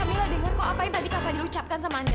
mila dengar kok apa yang tadi kak fadil ucapkan sama anda